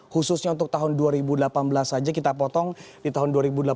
khususnya untuk tahun dua ribu delapan belas saja kita potong di tahun dua ribu delapan belas